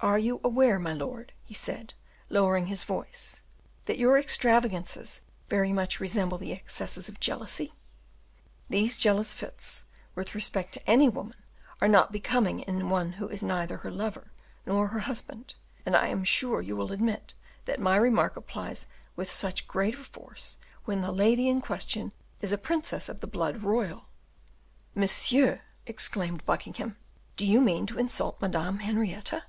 "Are you aware, my lord," he said, lowering his voice, "that your extravagances very much resemble the excesses of jealousy? These jealous fits, with respect to any woman, are not becoming in one who is neither her lover nor her husband; and I am sure you will admit that my remark applies with still greater force, when the lady in question is a princess of the blood royal!" "Monsieur," exclaimed Buckingham, "do you mean to insult Madame Henrietta?"